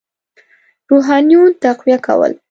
روحانیون تقویه کول.